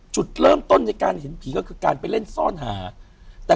จุดเริ่มต้นในการเห็นผีก็คือการไปเล่นซ่อนหาแต่